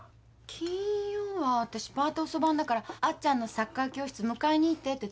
金曜は私パート遅番だからあっちゃんのサッカー教室迎えに行ってって頼んだよね？